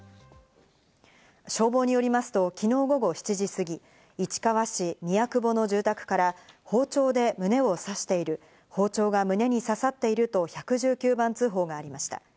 消防によりますと昨日午後７時過ぎ、市川市宮久保の住宅から包丁で胸を刺している、包丁が胸に刺さっていると１１９番通報がありました。